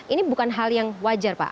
ini bukan hal yang wajar pak